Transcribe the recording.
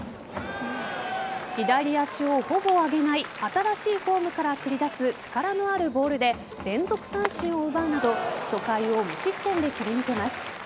左足をほぼ上げない新しいフォームから繰り出す力のあるボールで連続三振を奪うなど初回を無失点で切り抜けます。